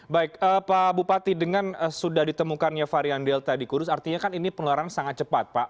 baik pak bupati dengan sudah ditemukannya varian delta di kudus artinya kan ini penularan sangat cepat pak